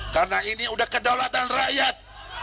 karena ini sudah kedaulatan rakyat